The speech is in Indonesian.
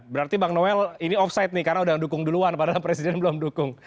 berarti bang noel ini offside nih karena sudah mendukung duluan padahal presiden belum mendukung